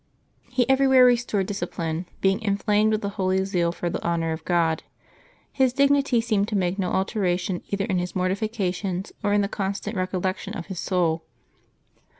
He everywhere restored discipline, being inflamed with a holy zeal for the honor of God. His dignity seemed to make no alteration either in his mortifications or in the constant recollection of his soul.